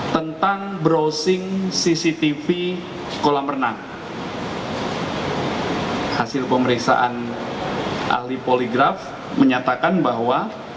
tentang browsing cctv kolam renang hasil pemeriksaan ahli poligraf menyatakan bahwa